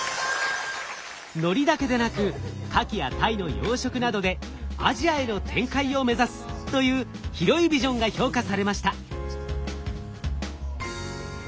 海苔だけでなくカキやタイの養殖などでアジアへの展開を目指すという広いビジョンが評価されました。